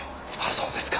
そうですか。